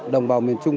đồng bào miền trung